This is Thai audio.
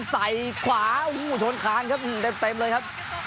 ใส่ขวาโอ้โหชนคานครับเต็มเลยครับ